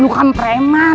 lu kan preman